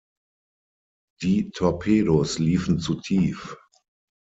Die Torpedos liefen zu tief.